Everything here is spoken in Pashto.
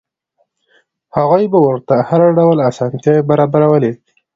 هغوی به ورته هر ډول اسانتیاوې برابرولې.